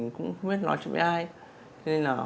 không biết nói chuyện với ai